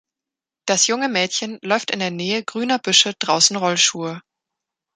Das junge Mädchen läuft in der Nähe grüner Büsche draußen Rollschuh.